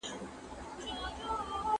تر څو چي هغه خويندي ئې واده يا مړې سي.